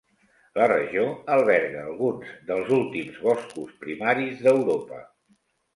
La regió alberga alguns dels últims boscos primaris d'Europa.